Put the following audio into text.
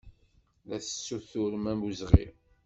La tessuturem awezɣi.